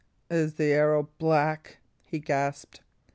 "Is the arrow black?" he gasped.